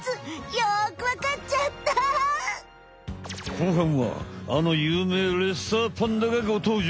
後半はあの有名レッサーパンダがご登場！